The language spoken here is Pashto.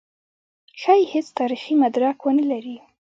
ښايي هېڅ تاریخي مدرک ونه لري.